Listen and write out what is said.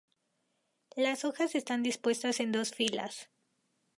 Las hojas están dispuestas en dos filas.